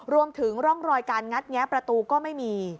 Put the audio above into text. รวมถึงร่องรอยการงัดแงะประตูก็ไม่มี